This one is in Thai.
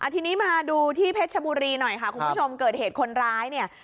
ทีนี้มาดูที่เพชรชบุรีหน่อยค่ะคุณผู้ชมเกิดเหตุคนร้ายเนี่ย